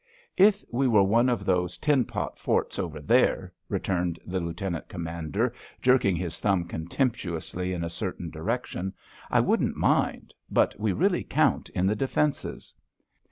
"If we were one of those tin pot forts over there," returned the Lieutenant Commander, jerking his thumb contemptuously in a certain direction, "I wouldn't mind, but we really count in the defences."